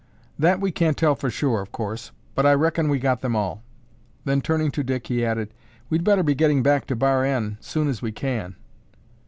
"That we can't tell for sure, of course, but I reckon we got them all." Then turning to Dick, he added, "We'd better be getting back to Bar N soon as we can."